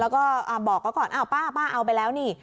แล้วก็บอกเขาก่อนอ้าวป้าเอาไปแล้วนี่